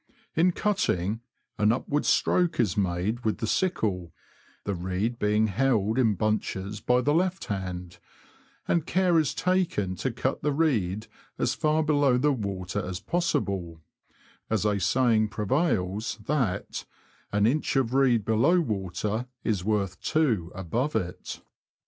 In cutting, an upward stroke is made with the sickle (the reed being held in bunches by the left hand), and care is taken to cut the reed as far below water as possible, as a saying prevails, that '' an inch of reed below water is worth two above it.''